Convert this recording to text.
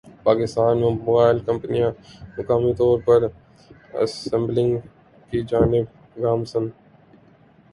پاکستان میں موبائل کمپنیاں مقامی طور پر اسمبلنگ کی جانب گامزن